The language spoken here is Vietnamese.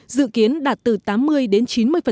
dự kiến đạt từ tám mươi đến chín mươi